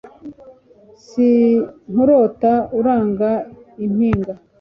sinkurota uranga impinga,